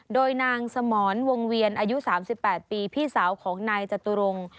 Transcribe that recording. โดยนางสมรวงเวียนอายุ๓๘ปีพี่สาวของนายจตุรงค์